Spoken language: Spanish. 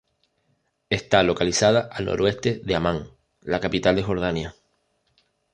Está localizada al noroeste de Ammán, la capital de Jordania.